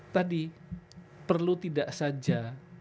tadi perlu tidak saja